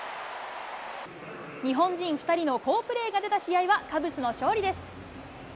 日本人２人の好プレーが出た試合は、カブスの勝利です。